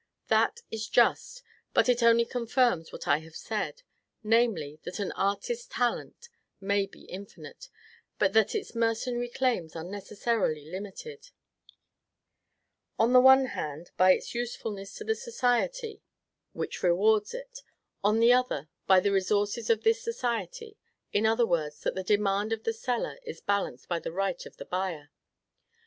That is just, but it only confirms what I have said; namely, that an artist's talent may be infinite, but that its mercenary claims are necessarily limited, on the one hand, by its usefulness to the society which rewards it; on the other, by the resources of this society: in other words, that the demand of the seller is balanced by the right of the buyer.